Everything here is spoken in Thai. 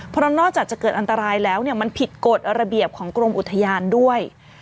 เพราะนอกจากจะเกิดอันตรายแล้วมันผิดกฎระเบียบของกรมอุทยานด้วย